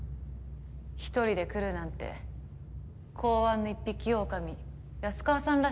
一人で来るなんて公安の一匹狼安川さんらしいですね。